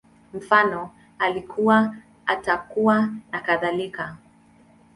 Mfano, Alikuwa, Atakuwa, nakadhalika